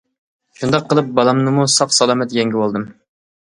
شۇنداق قىلىپ بالامنىمۇ ساق سالامەت يەڭگىۋالدىم.